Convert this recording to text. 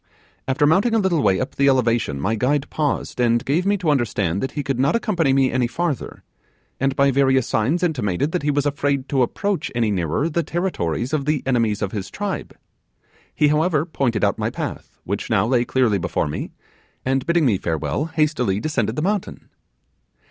After mounting a little way up the elevation my guide paused, and gave me to understand that he could not accompany me any farther, and by various signs intimated that he was afraid to approach any nearer the territories of the enemies of his tribe. He however pointed out my path, which now lay clearly before me, and bidding me farewell, hastily descended the mountain.